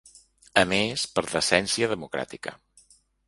A més, per decència democràtica.